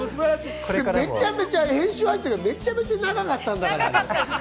めちゃめちゃ編集入ってたけど長かったんだから。